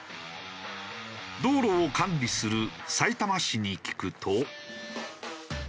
道路を管理するさいたま市に聞くと。